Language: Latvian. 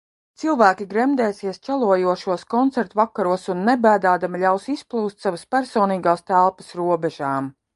Cilvēki gremdēsies čalojošos koncertvakaros un nebēdādami ļaus izplūst savas personīgās telpas robežām.